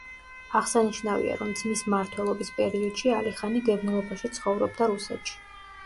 აღსანიშნავია, რომ ძმის მმართველობის პერიოდში ალი ხანი დევნილობაში ცხოვრობდა რუსეთში.